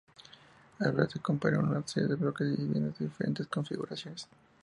El barrio se compone de una serie de bloques de viviendas de diferentes configuraciones.